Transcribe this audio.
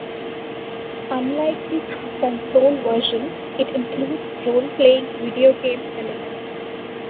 Unlike the console version, it includes role-playing video game elements.